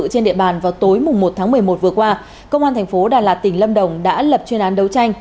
trên địa bàn vào tối một tháng một mươi một vừa qua công an thành phố đà lạt tỉnh lâm đồng đã lập chuyên án đấu tranh